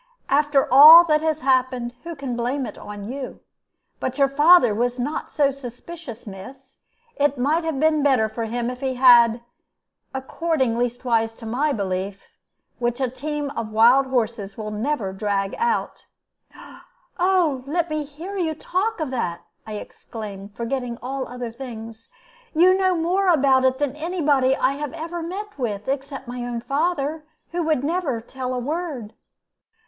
"After all that has happened, who can blame it on you? But your father was not so suspicious, miss. It might have been better for him if he had according, leastways, to my belief, which a team of wild horses will never drag out." "Oh, only let me hear you talk of that!" I exclaimed, forgetting all other things. "You know more about it than any body I have ever met with, except my own father, who would never tell a word."